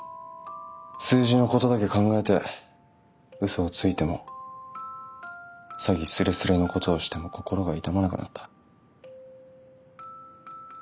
数字のことだけ考えて嘘をついても詐欺すれすれのことをしても心が痛まなくなった。